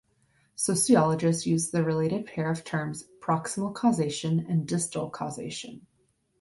Sociologists use the related pair of terms "proximal causation" and "distal causation.